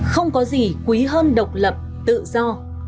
không có gì quý hơn độc lập tự do